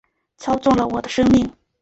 操纵了我的生命